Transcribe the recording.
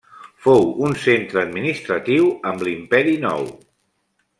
Fou un centre administratiu amb l'Imperi Nou.